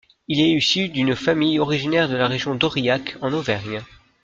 Il est issu d'une famille originaire de la région d'Aurillac en Auvergne.